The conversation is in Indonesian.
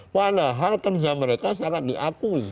padahal kerja mereka sangat diakui